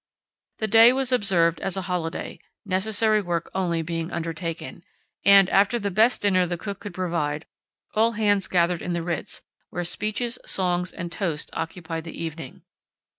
The day was observed as a holiday, necessary work only being undertaken, and, after the best dinner the cook could provide, all hands gathered in the Ritz, where speeches, songs, and toasts occupied the evening.